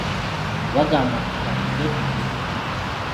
Bagamba nti, katudde tulye.